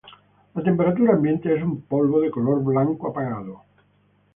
A temperatura ambiente es un polvo de color blanco apagado.